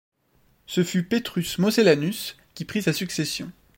Ce fut Petrus Mosellanus qui prit sa succession.